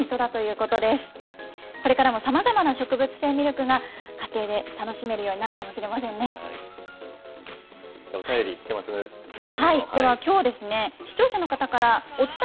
これからもさまざまな植物性ミルクが、家庭で楽しめるようになるではお便り。